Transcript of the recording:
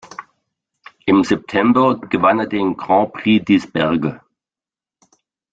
Im September gewann er den Grand Prix d’Isbergues.